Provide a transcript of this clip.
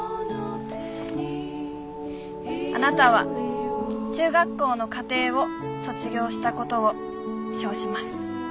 「あなたは中学校の課程を卒業したことを証します。